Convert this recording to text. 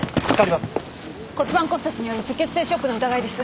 骨盤骨折による出血性ショックの疑いです。